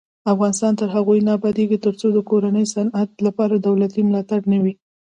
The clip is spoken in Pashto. افغانستان تر هغو نه ابادیږي، ترڅو د کورني صنعت لپاره دولتي ملاتړ نه وي.